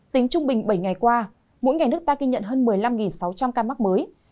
tính trung bình bảy ngày qua mỗi ngày nước ta ghi nhận hơn một mươi năm sáu trăm linh ca mắc mới